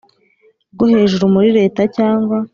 Rwo hejuru muri leta cyangwa